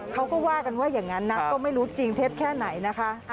เขาก็ว่ากันว่าอย่างนั้นนะก็ไม่รู้จริงเท็จแค่ไหนนะคะ